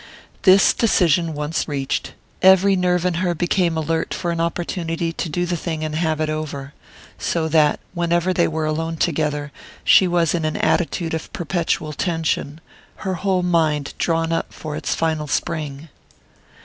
This decision once reached, every nerve in her became alert for an opportunity to do the thing and have it over; so that, whenever they were alone together, she was in an attitude of perpetual tension, her whole mind drawn up for its final spring.